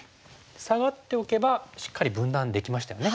サガっておけばしっかり分断できましたよね。